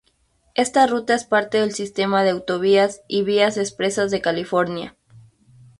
Esta ruta es parte del Sistema de Autovías y Vías Expresas de California.